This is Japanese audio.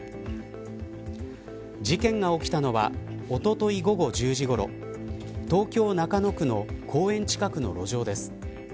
事件が起きたのはおととい午後１０時ごろ東京・中野区の公園近くの路上です。